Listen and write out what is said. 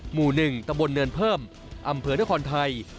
หมู่๑ตำบลเนินเพิ่มอำเภอนครไทย